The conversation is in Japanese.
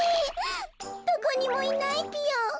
どこにもいないぴよ。